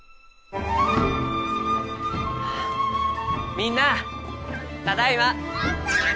みんなあただいま！